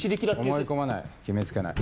思い込まない決め付けない。